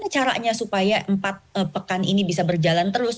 caranya supaya empat pekan ini bisa berjalan terus